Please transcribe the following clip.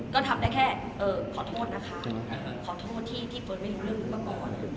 ก็ทำได้แค่ขอโทษนะคะขอโทษที่เฟิร์สไม่รู้เรื่องนี้มาก่อน